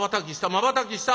まばたきした！